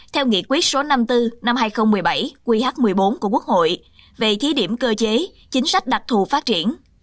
theo nghị quyết số năm mươi bốn năm hai nghìn một mươi bảy qh một mươi bốn của quốc hội về thí điểm cơ chế chính sách đặc thù phát triển